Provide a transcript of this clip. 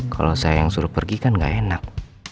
kalau saya yang suruh pergi kan nggak enak